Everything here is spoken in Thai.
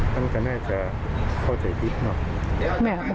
วันกันน่าจะเข้าใจกิริตล่ะ